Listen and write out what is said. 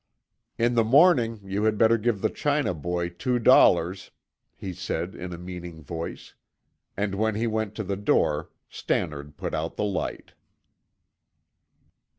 "In the morning you had better give the China boy two dollars," he said in a meaning voice, and when he went to the door Stannard put out the light.